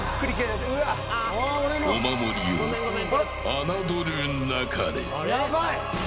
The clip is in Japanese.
お守りを侮るなかれ。